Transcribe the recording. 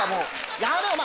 やめろお前。